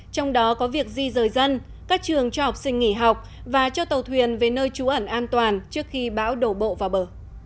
trong đó có việc di rời dân các trường cho học sinh nghỉ học và cho tàu thuyền về nơi trú ẩn an toàn trước khi bão đổ bộ vào bờ